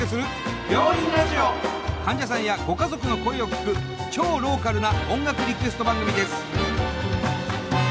患者さんやご家族の声を聞く超ローカルな音楽リクエスト番組です。